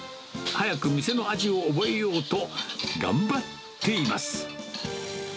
早く店の味を覚えようと、頑張っています。